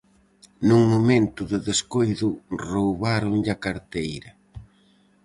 Nun momento de descoido roubáronlle a carteira.